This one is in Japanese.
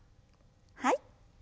はい。